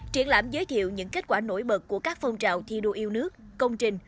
triển lãm giới thiệu những kết quả nổi bật của các phong trào thi đua yêu nước công trình